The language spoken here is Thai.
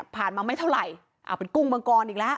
มาไม่เท่าไหร่เป็นกุ้งมังกรอีกแล้ว